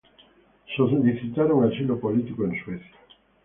En Suecia, solicitaron asilo político.